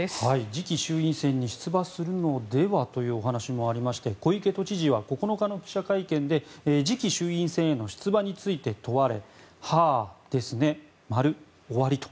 次期衆院選に出馬するのではという話があって小池都知事は９日の記者会見で次期衆院選への出馬を問われて「はあ、ですね。終わり」と。